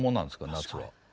夏は。